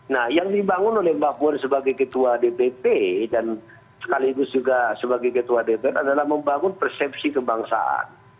nah yang dibangun oleh mbak puan sebagai ketua dpp dan sekaligus juga sebagai ketua dpr adalah membangun persepsi kebangsaan